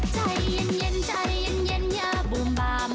ใจเย็นเย็นใจเย็นเย็นอย่าบูมบาม